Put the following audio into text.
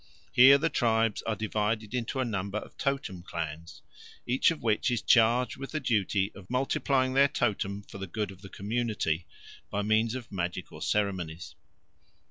Here the tribes are divided into a number of totem clans, each of which is charged with the duty of multiplying their totem for the good of the community by means of magical ceremonies.